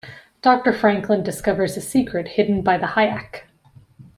Doctor Franklin discovers a secret hidden by the Hyach.